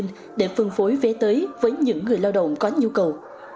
công viên sẽ phối hợp với những người lao động có nhu cầu